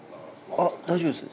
あっ大丈夫です。